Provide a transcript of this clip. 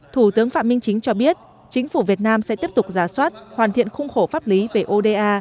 thủ tướng phạm minh chính cho biết chính phủ việt nam sẽ tiếp tục giả soát hoàn thiện khung khổ pháp lý về oda